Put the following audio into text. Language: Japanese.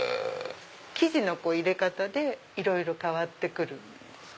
生地の入れ方でいろいろ変わって来るんです。